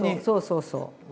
そうそうそう。